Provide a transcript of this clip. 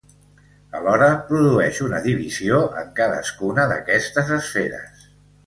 Alhora produeix una divisió en cadascuna d'aquestes esferes.